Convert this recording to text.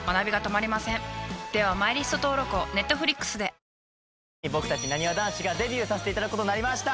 ３、僕たちなにわ男子がデビューさせていただくことになりました。